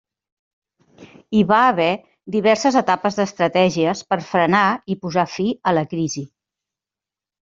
Hi va haver diverses etapes d'estratègies per frenar i posar fi a la crisi.